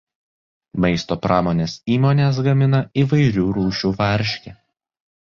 Maisto pramonės įmonės gamina įvairių rūšių varškę.